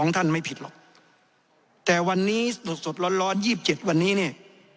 ท่านไม่ผิดหรอกแต่วันนี้สดร้อน๒๗วันนี้เนี่ย